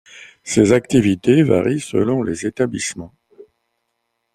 Ces activités varient selon les établissements.